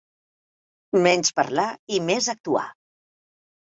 Menys parlar i més actuar.